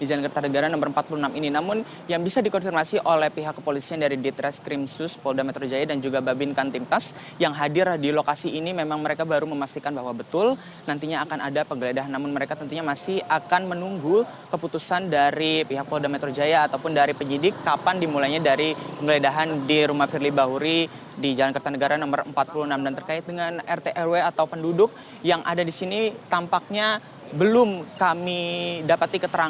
di jalan kertanegara nomor empat puluh enam ini namun yang bisa dikonfirmasi oleh pihak kepolisian dari ditres krimsus polda metro jaya dan juga babin kantimpas yang hadir di lokasi ini memang mereka baru memastikan bahwa betul nantinya akan ada penggeledahan namun mereka tentunya masih akan menunggu keputusan dari pihak polda metro jaya ataupun dari penyidik kapan dimulainya dari penggeledahan di rumah firly bahuri di jalan kertanegara nomor empat puluh enam dan terkait dengan rt rw atau penduduk yang ada di sini tampaknya belum kami dapatkan keterangan